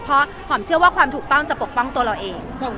เพราะหอมเชื่อว่าความถูกต้องจะปกป้องตัวเราเอง